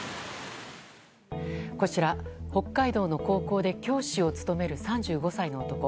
こちら、北海道の高校で教師を勤める３５歳の男。